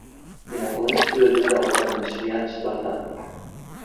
In der Grundschule litt er unter einem schweren Stottern.